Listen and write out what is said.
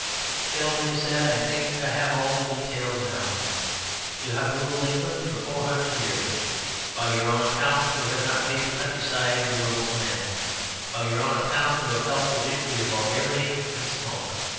"Gentlemen," he said, "I think I have all the details now. You have ruled England for four hundred years. By your own account you have not made the countryside endurable to men. By your own account you have helped the victory of vulgarity and smoke.